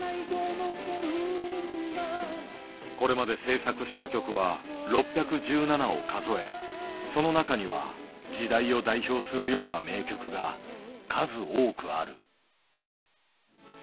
これまで制作した曲は６１７を数えその中には時代を代表するような名曲が数多くある。